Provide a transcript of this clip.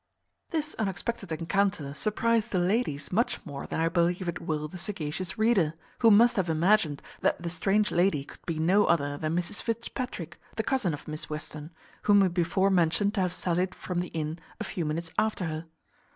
This unexpected encounter surprized the ladies much more than I believe it will the sagacious reader, who must have imagined that the strange lady could be no other than Mrs Fitzpatrick, the cousin of Miss Western, whom we before mentioned to have sallied from the inn a few minutes after her.